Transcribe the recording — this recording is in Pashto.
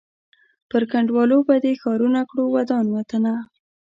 پر کنډوالو به دي ښارونه کړو ودان وطنه